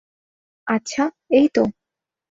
আচ্ছা, এই তো।